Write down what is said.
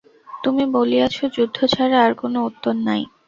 তুমি বলিয়াছ যুদ্ধ ছাড়া আর কোনো উত্তর নাই?